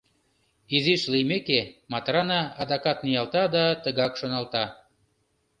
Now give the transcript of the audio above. Изиш лиймеке, Матрана адакат ниялта да тыгак шоналта.